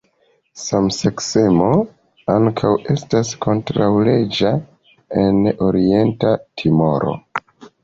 Samseksemo ankaŭ estas kontraŭleĝa en Orienta Timoro.